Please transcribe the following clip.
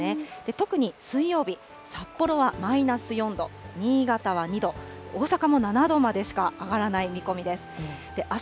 特に水曜日、札幌はマイナス４度、新潟は２度、大阪も７度までしか上がらない見込みです。